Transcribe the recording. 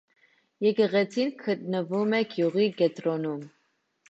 Եկեղեցին գտնվում է գյուղի կենտրոնում։